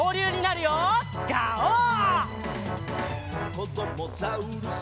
「こどもザウルス